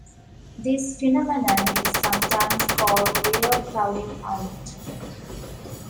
This phenomenon is sometimes called "real" crowding out.